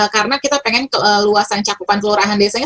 karena kita pengen luasan cakupan kelurahan desanya